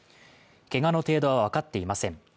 けがの程度は分かっていません。